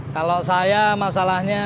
kalau saya masalahnya